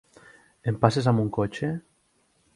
Em passes amb un cotxe?